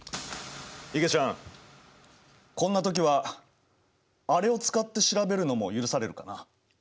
いげちゃんこんな時はあれを使って調べるのも許されるかな？